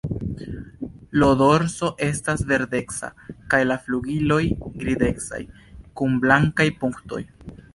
Lo dorso estas verdeca kaj la flugiloj grizecaj kun blankaj punktoj.